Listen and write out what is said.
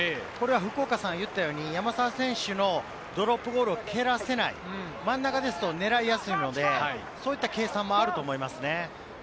福岡さんが言ったように山沢選手のドロップゴールを蹴らせない、真ん中ですと狙いやすいので、そういった計算もあると思いますね。